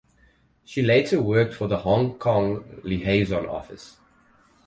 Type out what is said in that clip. She later worked for the Hong Kong Liaison Office.